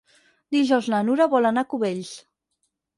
Dijous na Nura vol anar a Cubells.